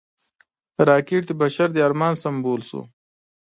راکټ د بشر د ارمان سمبول شو